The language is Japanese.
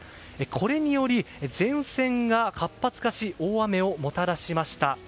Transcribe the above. これにより前線が活発化し大雨をもたらしました。